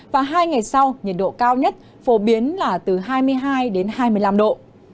và hai ngày sau nhiệt độ cao nhất phổ biến là từ hai mươi hai đến hai mươi năm độ